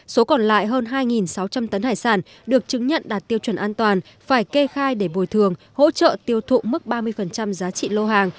số còn lại hơn hai sáu trăm linh tấn hải sản được chứng nhận đạt tiêu chuẩn an toàn phải kê khai để bồi thường hỗ trợ tiêu thụ mức ba mươi giá trị lô hàng